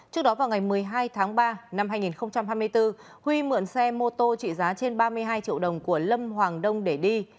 trước đó vào ngày một mươi hai tháng ba năm hai nghìn hai mươi bốn huy mượn xe mô tô trị giá trên ba mươi hai triệu đồng của lâm hoàng đông để đi